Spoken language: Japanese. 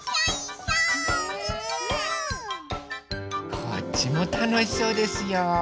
こっちもたのしそうですよ。